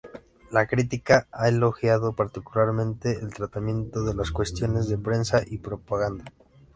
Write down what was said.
La crítica ha elogiado particularmente el tratamiento de las cuestiones de prensa y propaganda.